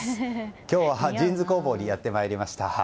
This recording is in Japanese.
今日はジーンズ工房にやってまいりました。